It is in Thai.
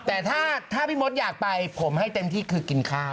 แต่ถ้าพี่มดอยากไปผมให้เต็มที่คือกินข้าว